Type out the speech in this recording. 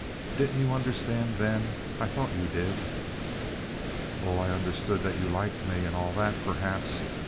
Didn't you understand then? I thought you did." "Oh, I understood that you liked me, and all that, perhaps.